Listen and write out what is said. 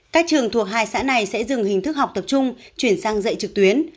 các trường thuộc hai xã này sẽ dừng hình thức học tập trung chuyển sang dạy trực tuyến